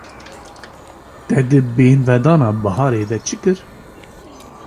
Te di bêhnvedana biharê de çi kir?